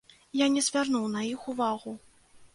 Я не звярнуў на іх увагу.